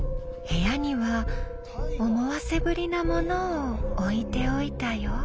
部屋には思わせぶりなものを置いておいたよ。